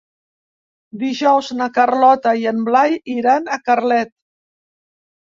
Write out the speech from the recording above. Dijous na Carlota i en Blai iran a Carlet.